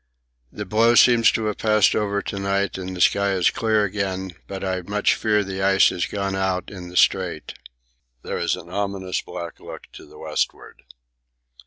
The blow seems to have passed over to night and the sky is clear again, but I much fear the ice has gone out in the Strait. There is an ominous black look to the westward.